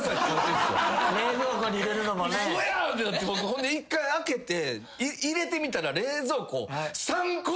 ほんで１回開けて入れてみたら。